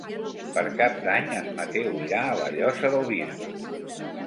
Per Cap d'Any en Mateu irà a la Llosa del Bisbe.